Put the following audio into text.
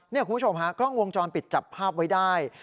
นี่คุณผู้ชมฮะกล้องวงจรปิดจับภาพไว้ได้